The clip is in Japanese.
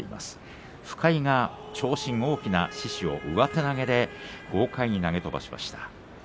深井が長身、大きな獅司を上手投げで豪快に投げ飛ばしました。